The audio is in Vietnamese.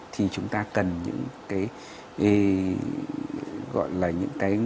thì chúng ta cần những cái gọi là những cái miếng tố